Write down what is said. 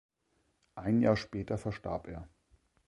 Ein Jahr später verstarb er.